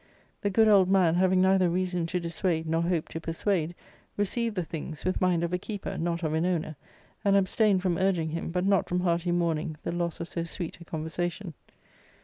The good old man, having neither reason to dis suade nor hope to persuade, received the things, with mind of a keeper, not of an owner, and abstained from urging him, but not from hearty mourning the loss of so sweet a conversation.